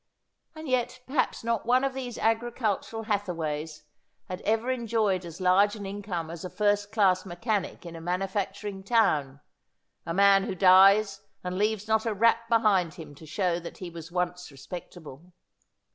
And yet perhaps not one of these 158 Asphodel, agricultural Hathaways had ever enjoyed as large an income as a first class mechanic in a manufacturing town — a man who dies and leaves not a rap behind him to show that he was once respect able.